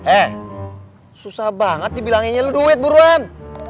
eh susah banget dibilanginnya lo duit bu ruen